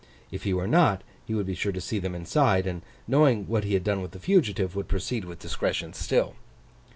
If he were not, he would be sure to see them inside; and, knowing what he had done with the fugitive, would proceed with discretion still.